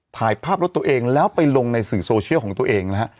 ถ่ายภาพรถตัวเองแล้วไปลงในสื่อโซเชียลของตัวเองนะฮะ